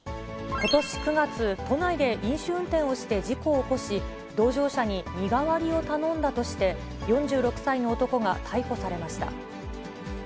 ことし９月、都内で飲酒運転をして事故を起こし、同乗者に身代わりを頼んだとして、４６歳の男が逮捕されました。